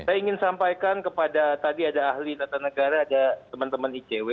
saya ingin sampaikan kepada tadi ada ahli tata negara ada teman teman icw